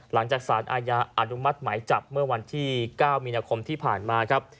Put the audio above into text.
หลังจากสารอาญาอนุมัติหมายจับเมื่อวันที่๙มีนาคมที่ผ่านมาครับ